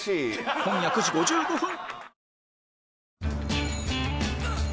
今夜９時５５分